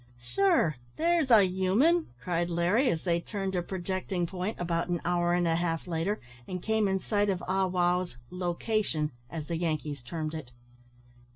"Sure, there's a human!" cried Larry, as they turned a projecting point, about an hour and a half later, and came in sight of Ah wow's "lo cation," as the Yankees termed it.